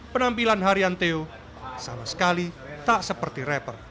penampilan harian theo sama sekali tak seperti rapper